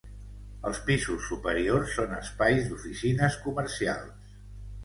Els pisos superiors són espais d'oficines comercials.